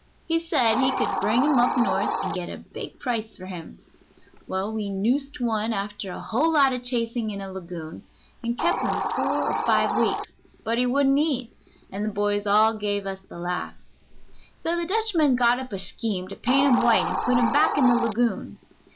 He said he could bring him up North and get a big price for him. Well, we noosed one after a whole lot of chasing in a lagoon, and kept him four or five weeks, but he wouldn't eat, and the boys all gave us the laugh. So the Dutchman got up a scheme to paint him white and put him back in the lagoon.